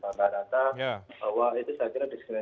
pak radata bahwa itu saya kira